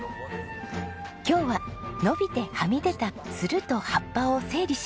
今日は伸びてはみ出たつると葉っぱを整理します。